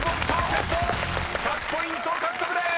［１００ポイント獲得です！］